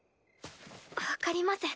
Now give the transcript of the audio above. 分かります。